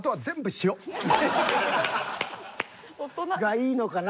いいのかな？